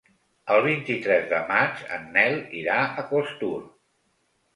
El vint-i-tres de maig en Nel irà a Costur.